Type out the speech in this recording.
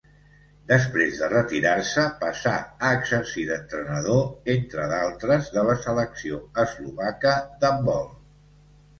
Després de retirar-se passà a exercir d'entrenador, entre d'altres de la selecció eslovaca d'handbol.